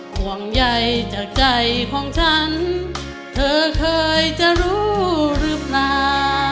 ห่วงใยจากใจของฉันเธอเคยจะรู้หรือเปล่า